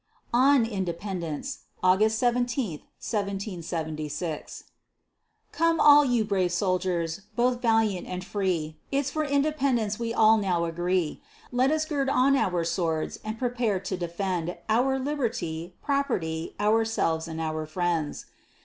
ON INDEPENDENCE [August 17, 1776] Come all you brave soldiers, both valiant and free, It's for Independence we all now agree; Let us gird on our swords and prepare to defend Our liberty, property, ourselves and our friends.